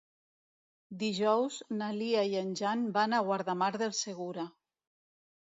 Dijous na Lia i en Jan van a Guardamar del Segura.